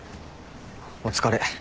お疲れ。